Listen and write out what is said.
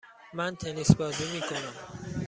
من تنیس بازی میکنم.